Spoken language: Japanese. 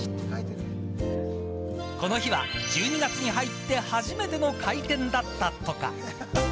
この日は１２月に入って初めての開店だったとか。